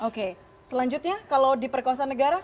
oke selanjutnya kalau di perkosaan negara